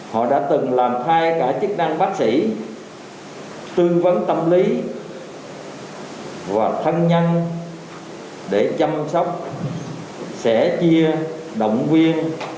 họ đã từng làm thay cả chức năng bác sĩ tư vấn tâm lý và thân nhân để chăm sóc sẻ chia động viên